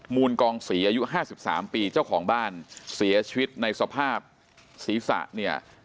มูลกองศรีอายุห้าสิบสามปีเจ้าของบ้านเสียชีวิตในสภาพศีรษะเนี่ย